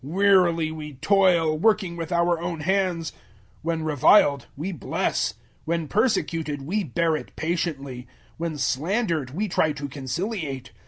Wearily we toil, working with our own hands. When reviled, we bless; when persecuted, we bear it patiently; 004:013 when slandered, we try to conciliate.